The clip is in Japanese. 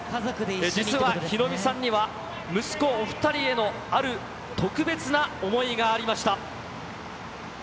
実はヒロミさんには息子お２人へのある特別な思いがありました。